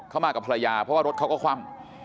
มากับภรรยาเพราะว่ารถเขาก็คว่ำ